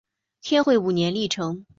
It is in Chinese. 天会五年历成。